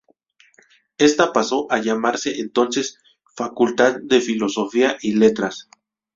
Esta pasó a llamarse entonces Facultad de Filosofía y Letras.